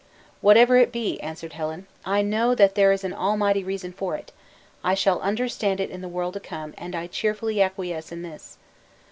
"Whatever it be," answered Helen, "I know that there is an Almighty reason for it; I shall understand it in the world to come, and I cheerfully acquiesce in this."